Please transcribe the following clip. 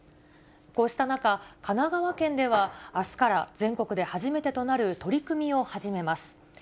こうした中、神奈川県ではあすから全国で初めてとなる取り組みを始めます。